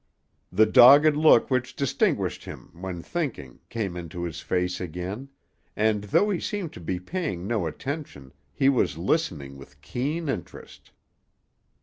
The dogged look which distinguished him when thinking came into his face again, and though he seemed to be paying no attention, he was listening with keen interest.